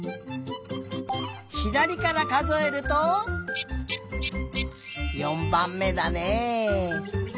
ひだりからかぞえると４ばんめだね。